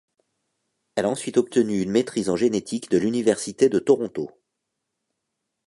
Elle a ensuite obtenu une maîtrise en génétique de l'Université de Toronto.